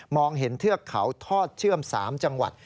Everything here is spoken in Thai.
เห็นเทือกเขาทอดเชื่อม๓จังหวัด